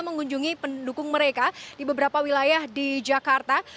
mengunjungi pendukung mereka di beberapa wilayah di jakarta